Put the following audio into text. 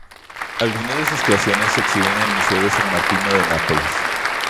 Algunas de sus creaciones se exhiben en el Museo de San Martino de Nápoles.